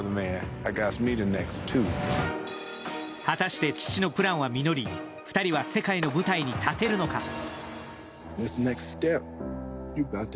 果たして父のプランは実り、２人は世界の舞台に立てるのか？